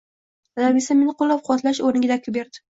Dadam esa meni qoʻllab-quvvatlash oʻrniga dakki berdi: